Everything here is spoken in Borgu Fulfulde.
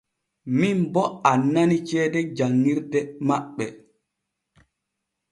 Min bo annani ceede jan ŋirde maɓɓe.